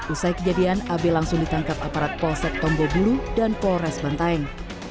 usai kejadian ab langsung ditangkap aparat polsek tombobulu dan polres bantaeng